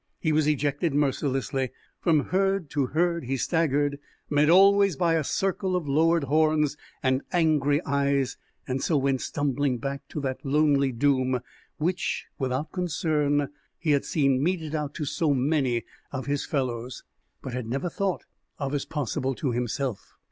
He was ejected mercilessly. From herd to herd he staggered, met always by a circle of lowered horns and angry eyes, and so went stumbling back to that lonely doom which, without concern, he had seen meted out to so many of his fellows, but had never thought of as possible to himself.